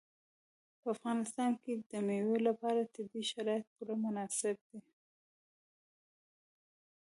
په افغانستان کې د مېوو لپاره طبیعي شرایط پوره مناسب دي.